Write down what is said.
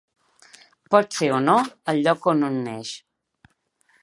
Pot ser o no el lloc on un neix.